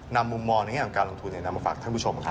นำมุมมอลในง่ายของการลงทุนมาฝากทั้งผู้ชมครับ